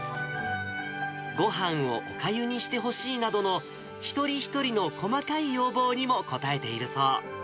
ごはんをおかゆにしてほしいなどの、一人一人の細かい要望にも応えているそう。